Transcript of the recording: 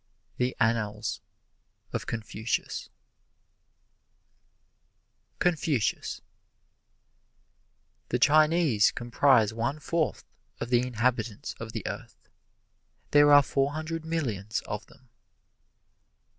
"The Annals" of Confucius CONFUCIUS The Chinese comprise one fourth of the inhabitants of the earth. There are four hundred millions of them.